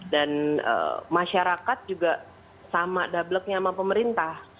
dan masyarakat juga sama dableknya sama pemerintah